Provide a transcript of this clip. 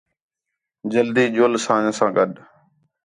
جلدی ڄُل اساں ساں گݙ